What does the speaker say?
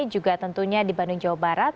juga tentunya di bandung jawa barat